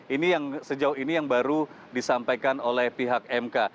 ini yang sejauh ini yang baru disampaikan oleh pihak mk